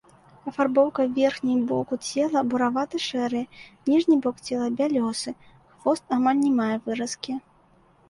Афарбоўка верхняй боку цела буравата-шэрая, ніжні бок цела бялёсы, хвост амаль не мае выразкі.